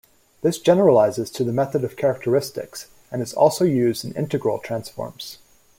This generalizes to the method of characteristics, and is also used in integral transforms.